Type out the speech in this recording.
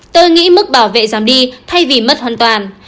tôi nghĩ mức bảo vệ giảm đi thay vì mất hoàn toàn